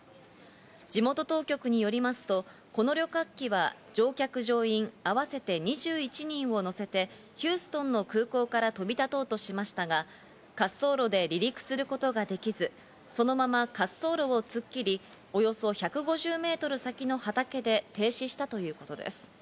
地元当局によりますと、この旅客機は乗客乗員合わせて２１人を乗せてヒューストンの空港から飛び立とうとしましたが滑走路で離陸することができず、そのまま滑走路を突っ切り、およそ１５０ｍ先の畑で停止したということです。